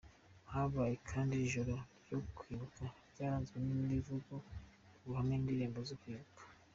Habaye kandi ijoro ryo kwibuka ryaranzwe n’imivugo, ubuhamya, n’indirimbo zo kwibuka.